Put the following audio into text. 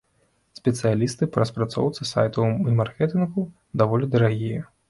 Спецыялісты па распрацоўцы сайтаў і маркетынгу даволі дарагія.